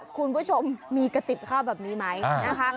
คุณผู้ชมมีกระติบข้าวแบบนี้ไหมนะคะ